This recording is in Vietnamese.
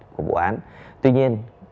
của vụ án tuy nhiên